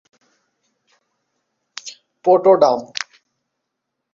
পরবর্তীতে, তিনি রাজনীতিতে যোগদান করেন।